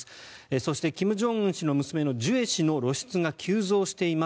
そして、金正恩氏の娘のジュエ氏の露出が急増しています。